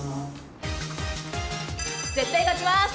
絶対勝ちます！